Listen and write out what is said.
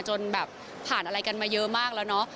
จนแบบผ่านอะไรกันมาเยอะมากแล้วเนาะ